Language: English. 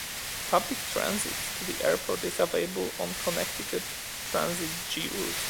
Public transit to the airport is available on Connecticut Transit's "G" route.